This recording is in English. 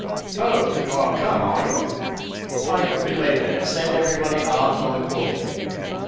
"Oh! you are come, are you? Pipe, belay there send every body aft on the quarter deck."